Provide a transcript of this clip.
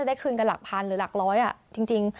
ได้คืนกันหลักพันหรือหลักร้อยจริง